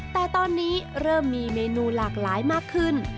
แต่ตอนนี้เริ่มมีเมนูหลากหลายมากขึ้น